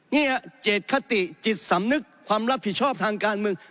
เนี่ยเจ็ดคติจิตสำนึกความรับผิดชอบทางการเมือง